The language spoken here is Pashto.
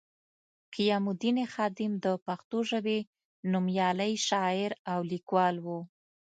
قیام الدین خادم د پښتو ژبې نومیالی شاعر او لیکوال وو